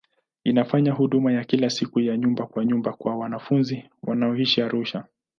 Inafanya huduma ya kila siku ya nyumba kwa nyumba kwa wanafunzi wanaoishi Arusha.